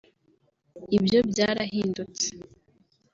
ibyo byarahindutse